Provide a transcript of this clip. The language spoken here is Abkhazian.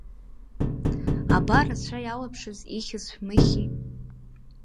Аба рацәа иалаԥшыз ихьыз шәмыхьи.